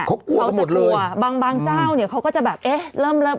เค้าจะกลัวบางเจ้าเนี่ยเขาก็จะแบบ